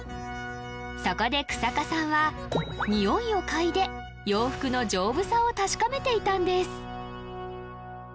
そこで日下さんはにおいを嗅いで洋服の丈夫さを確かめていたんです